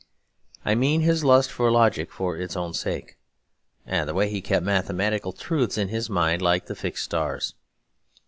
I mean his lust for logic for its own sake, and the way he kept mathematical truths in his mind like the fixed stars.